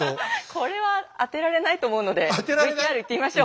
これは当てられないと思うのでＶＴＲいってみましょう。